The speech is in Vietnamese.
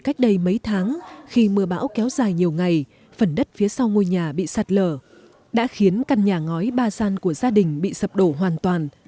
cách đây mấy tháng khi mưa bão kéo dài nhiều ngày phần đất phía sau ngôi nhà bị sạt lở đã khiến căn nhà ngói ba gian của gia đình bị sập đổ hoàn toàn